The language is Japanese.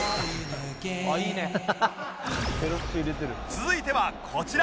続いてはこちら